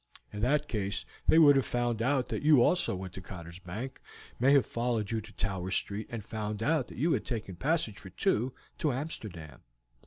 In that case they would have found out that you also went to Cotter's Bank; may have followed you to Tower Street, and found out that you had taken a passage for two to Amsterdam.